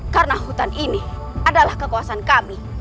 karena hutan ini adalah kekuasaan kami